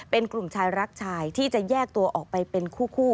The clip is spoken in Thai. เป็นกลุ่มชายรักชายที่จะแยกตัวออกไปเป็นคู่